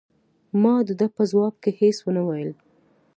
ما د ده په ځواب کې هیڅ ونه ویل.